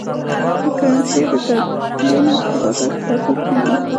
د کرنسۍ د تبادلې نرخ په بازار کې ټاکل کېږي.